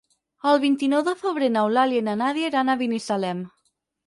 El vint-i-nou de febrer n'Eulàlia i na Nàdia iran a Binissalem.